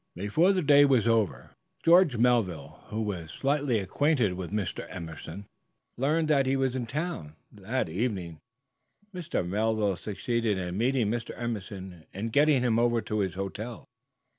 Before the day was over George Melville, who was slightly acquainted with Mr. Emerson, learned that he was in town. That evening Mr. Melville succeeded in meeting Mr. Emerson and getting him over to his hotel.